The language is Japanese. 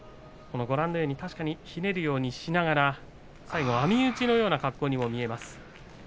確かにひねるようにしながら最後は網打ちのような格好にも見えます。